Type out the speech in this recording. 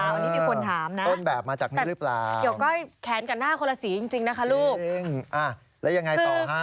นี่มีคนถามนะแต่เกี่ยวก็แขนกับหน้าคนละสีจริงนะคะลูกอ้าวแล้วยังไงต่อค่ะ